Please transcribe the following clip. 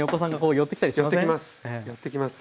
寄ってきます。